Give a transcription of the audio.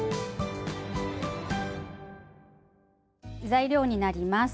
材料になります。